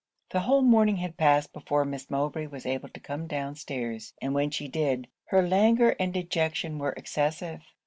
The whole morning had passed before Miss Mowbray was able to come down stairs, and when she did, her languor and dejection were excessive.